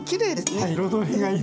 はい。